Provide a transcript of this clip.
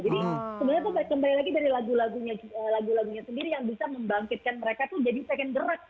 jadi sebenarnya tuh kembali lagi dari lagu lagunya sendiri yang bisa membangkitkan mereka tuh jadi pengen gerak